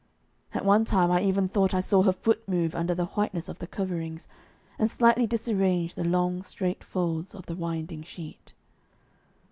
At one time I even thought I saw her foot move under the whiteness of the coverings, and slightly disarrange the long straight folds of the winding sheet.